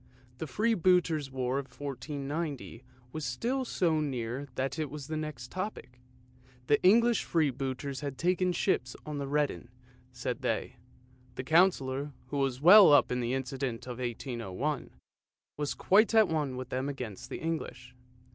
The Freebooter's War of 1490 was still so near that it was the next topic. The English Freebooters had taken ships on the Rheden, said they. The Councillor, who was well up in the incident of 1801, was quite at one with them against the English.